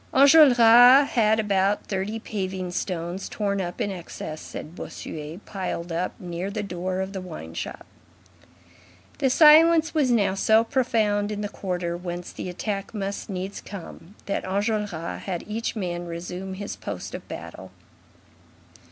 Enjolras had about thirty paving stones "torn up in excess," said Bossuet, piled up near the door of the wine shop. The silence was now so profound in the quarter whence the attack must needs come, that Enjolras had each man resume his post of battle.